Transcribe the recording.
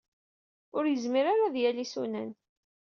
Ur yezmir ara ad yali isunan.